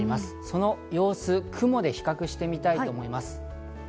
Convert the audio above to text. その様子、雲で比較してみたいと思います。